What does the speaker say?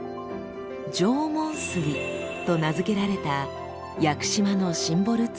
縄文杉と名付けられた屋久島のシンボルツリーです。